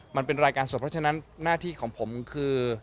มันเป็นรายการสดเพราะฉะนั้นหน้าที่ของผมคือ